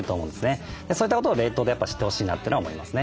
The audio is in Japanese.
そういったことを冷凍でやっぱ知ってほしいなっていうのは思いますね。